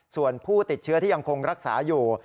ส่วนผู้ติดเชื้อที่ยังคงรักษาอยู่